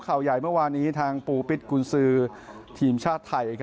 ข่าวใหญ่เมื่อวานนี้ทางปูปิตกุญศรอศธนไตร